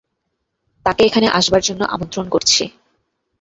তাকে এখানে আসবার জন্য আমন্ত্রণ করছি।